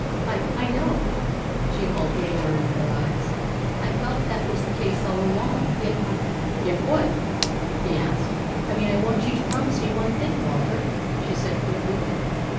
"I I know," she faltered, lowering her eyes. "I've felt that was the case all along, yet I " "Yet what?" he asked. "I mean I want you to promise me one thing, Walter," she said quickly.